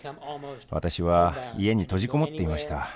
私は家に閉じこもっていました。